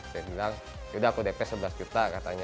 dia bilang yaudah aku dp sebelas juta katanya